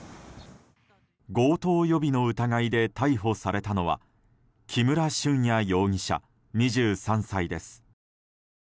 強盗予備の疑いで逮捕されたのは木村俊哉容疑者、２３歳です。